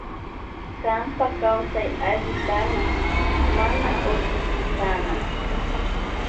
Kanpa kawsay alli kana mana usuchikana.